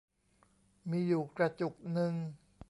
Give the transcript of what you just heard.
มีอยู่กระจุกนึง